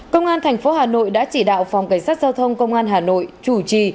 công an tp hà nội đã chỉ đạo phòng cảnh sát giao thông công an hà nội chủ trì